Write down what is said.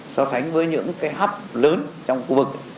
so sánh với những cái hấp lớn trong khu vực